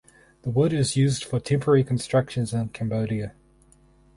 The wood is used for temporary constructions in Cambodia.